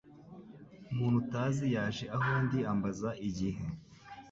Umuntu utazi yaje aho ndi ambaza igihe.